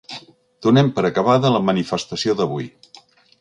Donem per acabada la manifestació d'avui!